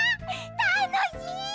たのしい！